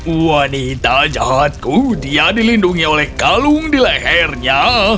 wanita jahatku dia dilindungi oleh kalung di lehernya